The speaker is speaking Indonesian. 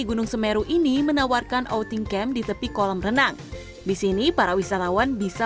gunung semeru ini menawarkan oating camp di tepi kolam renang disini para wisatawan bisa